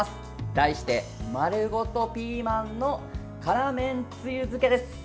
題して、丸ごとピーマンの辛めんつゆ漬けです。